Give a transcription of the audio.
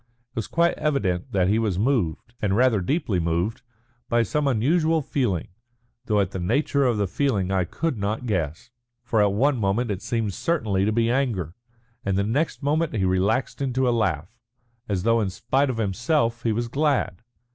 It was quite evident that he was moved, and rather deeply moved, by some unusual feeling, though at the nature of the feeling I could not guess. For at one moment it seemed certainly to be anger, and the next moment he relaxed into a laugh, as though in spite of himself he was glad.